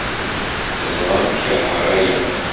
Teẓramt keṛheɣ aya.